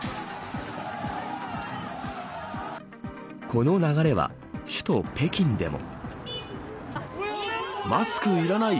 この流れは首都、北京でも。